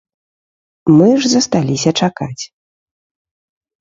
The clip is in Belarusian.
Мы ж засталіся чакаць.